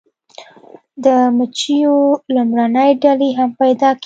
د مچیو لومړنۍ ډلې هم پیدا کیږي